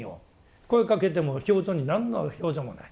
声かけても表情に何の表情もない。